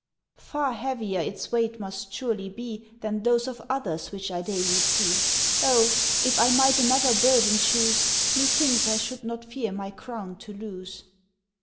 "Far heavier its weight must surely be Than those of others which I daily see; Oh! if I might another burden choose, Methinks I should not fear my crown to lose."